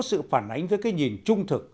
sự phản ánh với cái nhìn trung thực